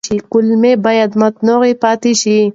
کولمې باید متنوع پاتې شي.